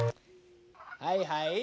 はいはい。